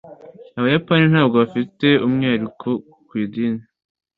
Abayapani ntabwo bafite umwihariko ku idini.